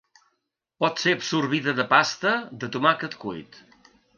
Pot ser absorbida de pasta de tomàquet cuit.